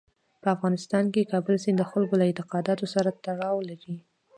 په افغانستان کې کابل سیند د خلکو له اعتقاداتو سره تړاو لري.